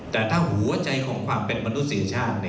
แต่ถ้าหัวใจของความเป็นมนุษยชาติ